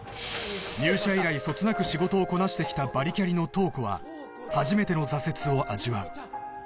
入社以来そつなく仕事をこなしてきたバリキャリの塔子は初めての挫折を味わう